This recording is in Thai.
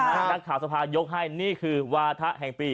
นักข่าวสภายกให้นี่คือวาถะแห่งปี